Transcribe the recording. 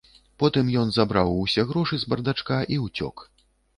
Потым ён забраў усе грошы з бардачка і ўцёк.